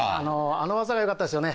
あの技がよかったですよね。